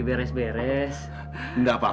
hei suara apa